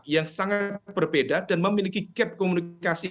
yang sangat berbeda dan memiliki gap komunikasi